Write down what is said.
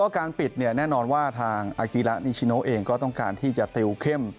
การปิดเนี่ยแน่นอนว่าทางอากิระนิชิโนเองก็ต้องการที่จะติวเข้ม